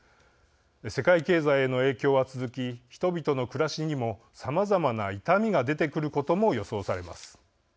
世界経済への影響は続き人々の暮らしにもさまざまな痛みが出てくることも予想されます。